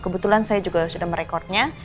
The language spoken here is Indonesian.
kebetulan saya juga sudah merekodnya